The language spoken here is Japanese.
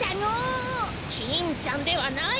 キンちゃんではない。